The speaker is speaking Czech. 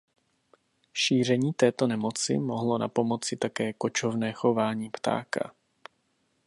Šíření této nemoci mohlo napomoci také kočovné chování ptáka.